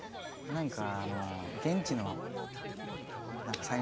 何か。